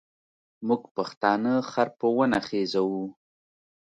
موږ پښتانه خر په ونه خېزوو.